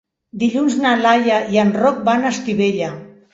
Dilluns na Laia i en Roc van a Estivella.